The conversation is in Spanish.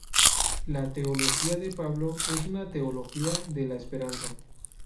La teología de Pablo es una teología de la esperanza.